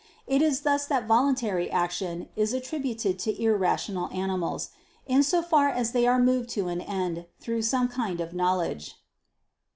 It is thus that voluntary action is attributed to irrational animals, in so far as they are moved to an end, through some kind of knowledge.